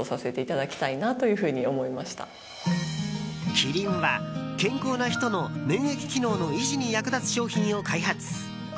キリンは、健康な人の免疫機能の維持に役立つ商品を開発。